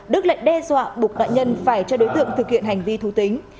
đức lại đe dọa bục nạn nhân phải cho đối tượng thực hiện hành vi thú tính